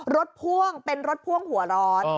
พ่วงเป็นรถพ่วงหัวร้อน